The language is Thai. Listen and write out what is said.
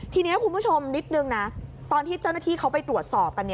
ทีนี้คุณผู้ชมนิดนึงนะตอนที่เจ้าหน้าที่เขาไปตรวจสอบกัน